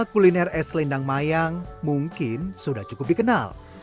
kuliner es lendang mayang mungkin sudah cukup dikenal